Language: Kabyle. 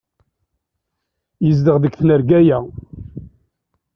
Yezdeɣ deg tnarga-ya.